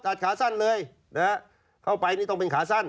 ขาสั้นเลยนะฮะเข้าไปนี่ต้องเป็นขาสั้น